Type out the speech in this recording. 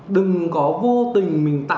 đừng có vô tình mình tạo ra